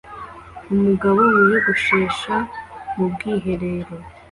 Umugabo wiyogoshesha mu bwiherero